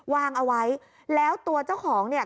วางเอาไว้แล้วตัวเจ้าของเนี่ย